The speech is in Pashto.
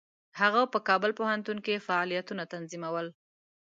هغه په کابل پوهنتون کې فعالیتونه تنظیمول.